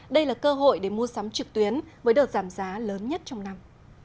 đây là cơ hội để mua sắm trực tuyến với đợt giảm giá lớn nhất trong năm